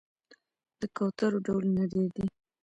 د کوترو ډولونه ډیر دي